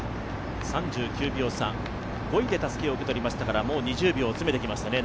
３９秒差、５位でたすきを受け取りましたからもう２０秒詰めてきましたね。